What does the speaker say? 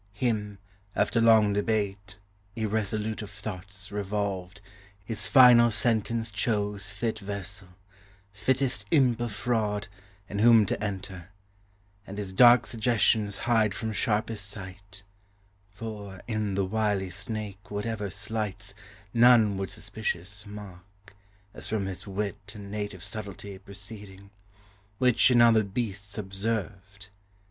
Him, after long debate, irresolute Of thoughts revolved, his final sentence chose Fit vessel, fittest imp of fraud, in whom To enter, and his dark suggestions hide From sharpest sight: for, in the wily snake Whatever sleights, none would suspicious mark, As from his wit and native subtlety Proceeding; which, in other beasts observed.